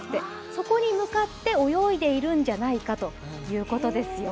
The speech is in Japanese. そこに向かって泳いでいるんじゃないかということですよ。